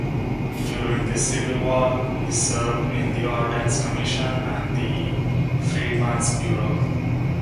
During the Civil War, he served in the Ordnance Commission and the Freedmen's Bureau.